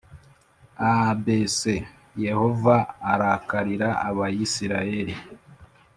Abc Yehova arakarira Abisirayeli